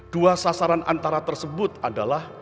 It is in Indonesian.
dua sasaran antara tersebut adalah